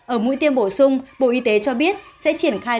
ở mũi tiêm bổ sung bộ y tế cho biết sẽ triển khai